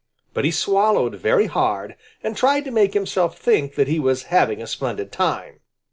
But he swallowed very hard and tried to make himself think that he was having a splendid time.